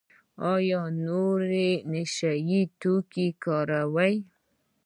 ایا نور نشه یي توکي کاروئ؟